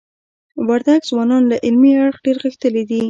وردګ ځوانان له علمی اړخ دير غښتلي دي.